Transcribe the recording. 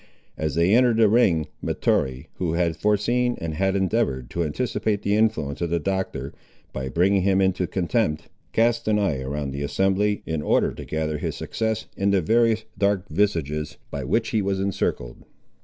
As they entered the ring, Mahtoree, who had foreseen and had endeavoured to anticipate the influence of the Doctor, by bringing him into contempt, cast an eye around the assembly, in order to gather his success in the various dark visages by which he was encircled.